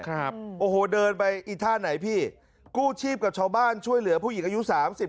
ครับโอ้โหเดินไปอีท่าไหนพี่กู้ชีพกับชาวบ้านช่วยเหลือผู้หญิงอายุสามสิบ